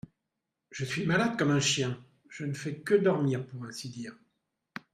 je suis malade comme un chien, je ne fais que dormir pour ainsi dire.